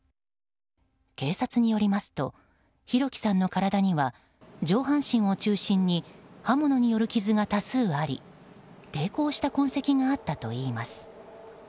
警察によりますと弘輝さんの体には上半身を中心に刃物による傷が多数あり抵抗した痕跡があったといいます。